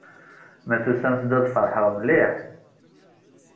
Ma tusamt-d, ad feṛḥeɣ mliḥ.